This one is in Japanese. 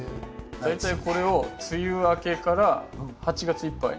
大体これを梅雨明けから８月いっぱい。